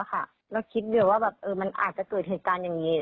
แล้วคิดอยู่ว่ามันอาจจะเกิดเหตุการณ์อย่างนี้